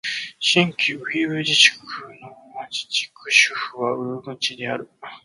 新疆ウイグル自治区の自治区首府はウルムチである